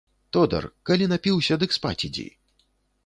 Тодар, калі напіўся, дык спаць ідзі.